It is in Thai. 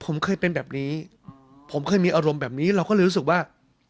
ผมเคยเป็นแบบนี้ผมเคยมีอารมณ์แบบนี้เราก็เลยรู้สึกว่า